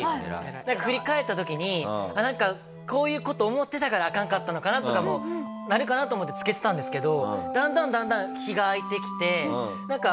なんか振り返った時にこういう事を思ってたからアカンかったのかな？とかもなるかなと思ってつけてたんですけどだんだんだんだん日が開いてきてなんか。